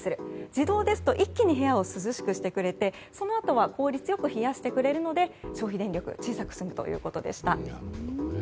自動ですと一気に部屋を涼しくしてくれてそのあとは効率よく冷やしてくれるので消費電力が小さく済むということでした。